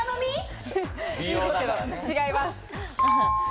違います。